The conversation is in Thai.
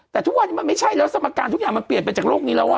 แต่ทุกวันนี้มันไม่ใช่แล้วสมการทุกอย่างมันเปลี่ยนไปจากโลกนี้แล้ว